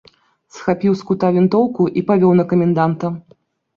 Схапіў з кута вінтоўку і павёў на каменданта.